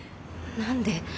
何で？